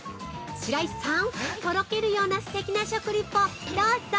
白石さんとろけるようなすてきな食リポどうぞ！